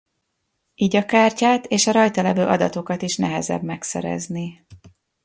Így a kártyát és a rajta levő adatokat is nehezebb megszerezni.